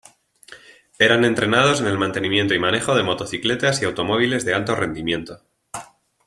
Eran entrenados en el mantenimiento y manejo de motocicletas y automóviles de alto rendimiento.